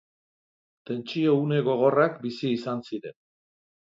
Tentsio une gogorrak bizi izan ziren.